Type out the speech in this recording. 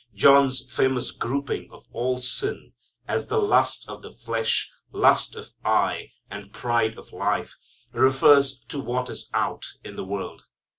John's famous grouping of all sin as "the lust of the flesh, lust of eye and pride of life," refers to what is out "in the world."